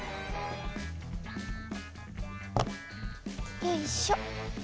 よいしょ。